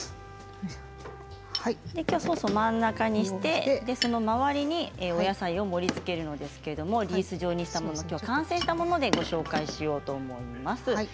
きょうはソースを真ん中にして、その周りにお野菜を盛りつけるんですけれどもリース状にしたもの完成したものでご紹介しようと思います。